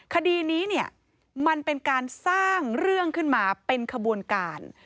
คดีนี้เนี่ยมันเป็นการสร้างเรื่องขึ้นมาเป็นขบวนการ